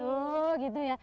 oh gitu ya